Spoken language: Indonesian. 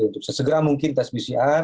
untuk sesegera mungkin tes pcr